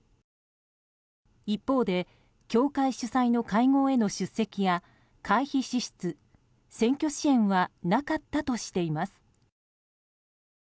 一方で協会主催の会合への出席や会費支出、選挙支援はなかったとしています。